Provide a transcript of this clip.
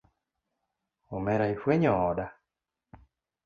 Omera ifwenyo oda.